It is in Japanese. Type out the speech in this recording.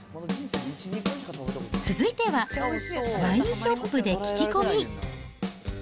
続いては、ワインショップで聞き込み。